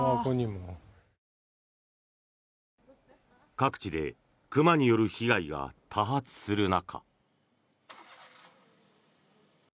各地で熊による被害が多発する中。